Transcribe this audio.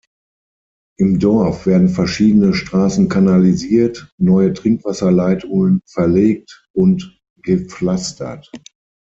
Im Dorf werden verschiedene Straßen kanalisiert, neue Trinkwasserleitungen verlegt und gepflastert.